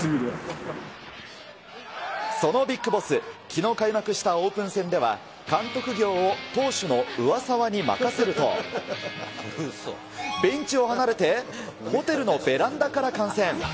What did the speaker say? そのビッグボス、きのう開幕したオープン戦では、監督業を投手の上沢に任せると、ベンチを離れて、ホテルのベランダから観戦。